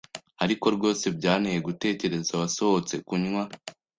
Ariko rwose byanteye gutekereza wasohotse kunywa